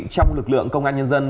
trong lực lượng công an nhân dân